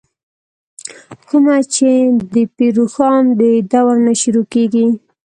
کومه چې دَپير روښان ددورنه شروع کيږې